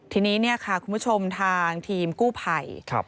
ทีนี้คุณผู้ชมทางทีมกู้ไพร